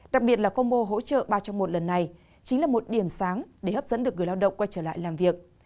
đặc biệt là combo hỗ trợ ba trong một lần này chính là một điểm sáng để hấp dẫn được người lao động quay trở lại làm việc